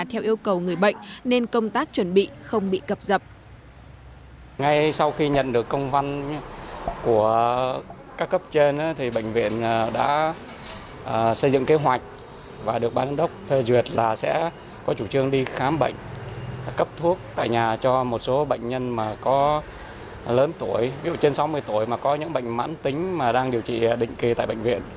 theo yêu cầu người bệnh nên công tác chuẩn bị không bị cập dập